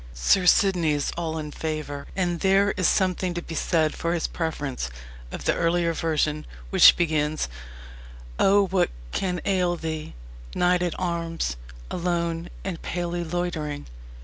Sir Sidney is all in favour and there is something to be said for his preference of the earlier version, which begins: O what can ail thee, knight at arms, Alone and palely loitering!